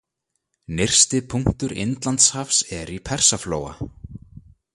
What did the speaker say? Nyrsti punktur Indlandshafs er í Persaflóa.